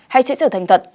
hay chỉ trở thành thật